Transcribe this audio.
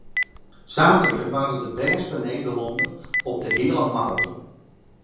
Saterdei waard er de bêste Nederlanner op de heale maraton.